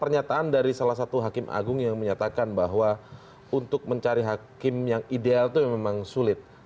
pernyataan dari salah satu hakim agung yang menyatakan bahwa untuk mencari hakim yang ideal itu memang sulit